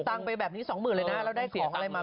สีเมือนจงสองหมื่นเลยนะเลยได้ของอะไรครับ